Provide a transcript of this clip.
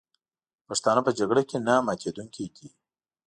پښتانه په جګړه کې نه ماتېدونکي دي.